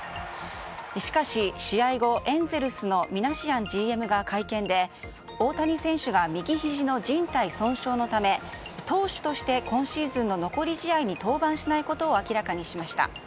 しかし、試合後エンゼルスのミナシアンＧＭが会見で、大谷選手が右ひじのじん帯損傷のため投手として今シーズンの残り試合に登板しないことを明らかにしました。